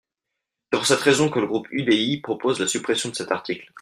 C’est pour cette raison que le groupe UDI propose la suppression de cet article.